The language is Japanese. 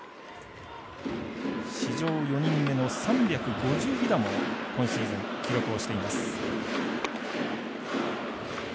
史上４人目の３５０犠打も今シーズン、記録をしています。